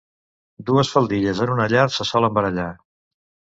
Dues faldilles en una llar se solen barallar.